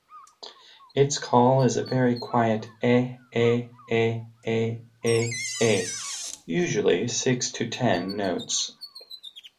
Its call is a very quiet eh-eh-eh-eh-eh-eh, usually six to ten notes.